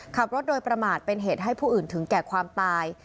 ขับรถโดยประมาทเป็นเหตุให้ผู้อื่นถึงแก่ความตาย